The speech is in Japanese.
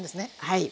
はい。